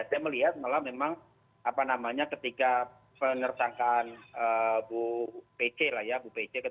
saya melihat malah memang ketika penersangkaan bu pece